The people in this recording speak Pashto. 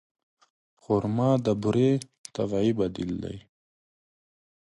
خرما د بوري طبیعي بدیل دی.